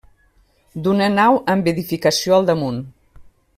D'una nau amb edificació al damunt.